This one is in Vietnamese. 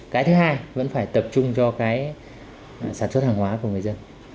cái thứ hai vẫn phải tập trung cho cái sản xuất hàng hóa của người dân